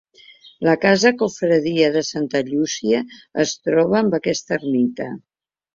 La Casa Confraria de Santa Llúcia es troba en aquesta ermita.